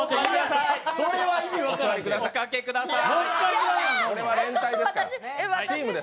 おかけください。